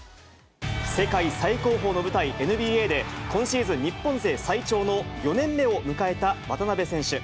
世界最高峰の舞台、ＮＢＡで、今シーズン日本勢最長の４年目を迎えた渡邊選手。